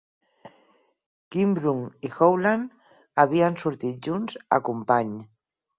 Kimbrough i Howland havien sortit junts a 'Company'.